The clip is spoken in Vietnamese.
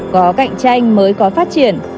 có cạnh tranh mới có phát triển